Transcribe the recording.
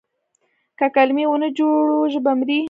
که کلمې ونه جوړو ژبه مري.